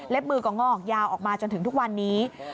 เล็บมือก่อนก่อนออกยาวออกมาจนถึงทุกวันนี้